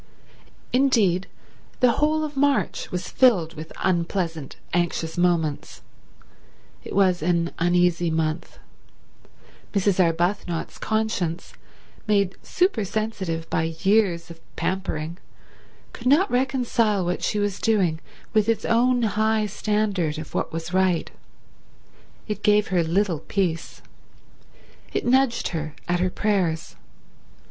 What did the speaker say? Indeed, the whole of March was filled with unpleasant, anxious moments. It was an uneasy month. Mrs. Arbuthnot's conscience, made super sensitive by years of pampering, could not reconcile what she was doing with its own high standard of what was right. It gave her little peace. It nudged her at her prayers.